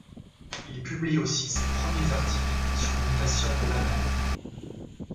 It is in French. Il publie aussi ses premiers articles sur la notation Laban.